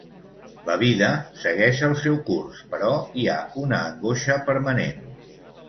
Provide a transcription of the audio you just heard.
La vida segueix el seu curs, però hi ha una angoixa permanent.